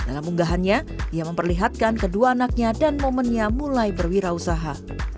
dalam unggahannya ia memperlihatkan kedua anaknya dan momennya mulai berwirausaha